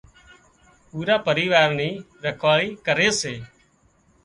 پورا پريوار ني رکواۯي ڪري سي